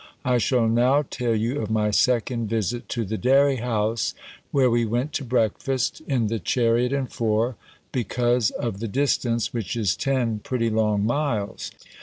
I shall now tell you of my second visit to the dairy house, where we went to breakfast, in the chariot and four, because of the distance, which is ten pretty long miles.